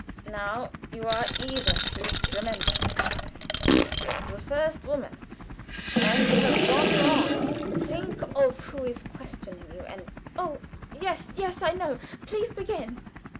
Now. You are Eva, please remember, the first woman, and you have gone wrong. Think of who is questioning you, and " "Oh, yes, yes, I know. Please begin."